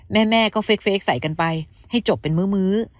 แม่ก็เฟคใส่กันไปให้จบเป็นมื้อ